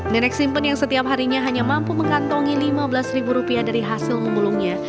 nenek simpen yang setiap harinya hanya mampu mengantongi lima belas ribu rupiah dari hasil memulungnya